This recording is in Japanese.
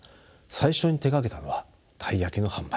最初に手がけたのはたい焼きの販売